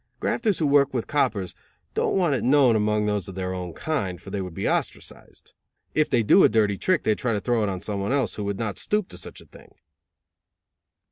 Grafters who work with the coppers don't want it known among those of their own kind, for they would be ostracized. If they do a dirty trick they try to throw it on someone else who would not stoop to such a thing.